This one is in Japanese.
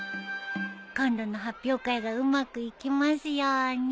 今度の発表会がうまくいきますように。